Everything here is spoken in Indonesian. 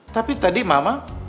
tapi tadi mama